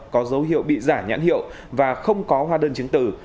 có dấu hiệu bị giả nhãn hiệu và không có hóa đơn chứng tử